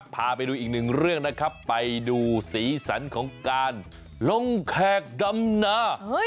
พาไปดูอีกหนึ่งเรื่องนะครับไปดูสีสันของการลงแขกดำนา